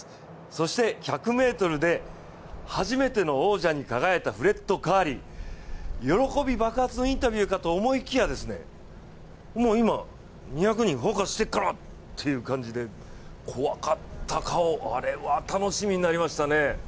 そして１００ｍで初めての王者に輝いたフレッド・カーリー、喜び爆発のインタビューかと思いきや、もう今、２００にフォーカスしてっからという感じで怖かった顔、あれは楽しみになりましたね。